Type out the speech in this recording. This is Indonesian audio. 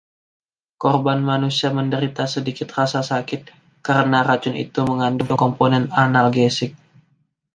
Korban manusia menderita sedikit rasa sakit, karena racun itu mengandung komponen analgesik.